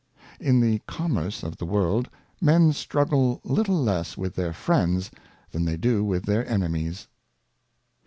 In the Commerce of the World, Men struggle little less with their Friends, than they do vnth their Enemies.